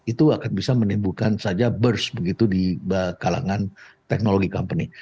itu akan bisa menimbulkan saja burst begitu di kalangan teknologi company